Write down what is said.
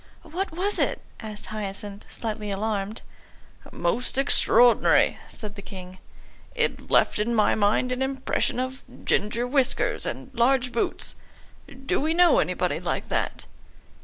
"What was it?" asked Hyacinth, slightly alarmed. "Most extraordinary," said the King. "It left in my mind an impression of ginger whiskers and large boots. Do we know anybody like that?"